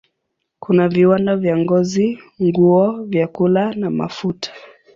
Kuna viwanda vya ngozi, nguo, vyakula na mafuta.